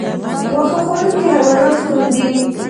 واښه خوړونکي حیوانات کوم دي؟